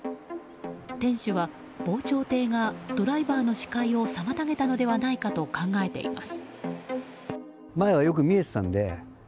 店主は防潮堤がドライバーの視界を妨げたのではないかと考えています。